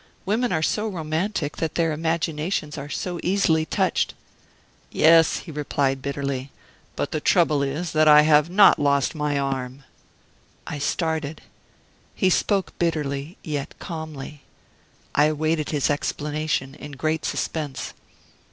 Women are so romantic, and their imaginations are so easily touched!" "Yes," he replied bitterly; "but the trouble is that I have not lost my arm." I started. He spoke bitterly, yet calmly. I awaited his explanation in great suspense.